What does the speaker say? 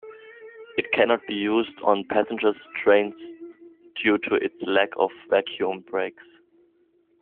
It cannot be used on passenger trains due to its lack of vacuum brakes.